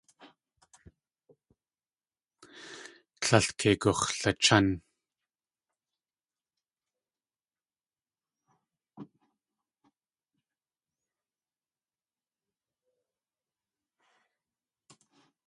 Tlél kei gux̲lachán.